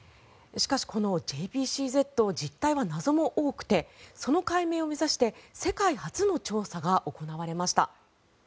しかしこのＪＰＣＺは実態は謎も多くてその解明を目指して世界初の調査が行われました。